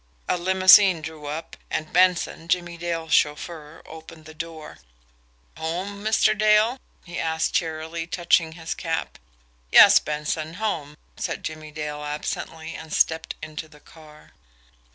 A limousine drew up, and Benson, Jimmie Dale's chauffeur, opened the door. "Home, Mr. Dale?" he asked cheerily, touching his cap. "Yes, Benson home," said Jimmie Dale absently, and stepped into the car.